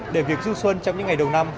để việc du xuân trong những ngày đầu năm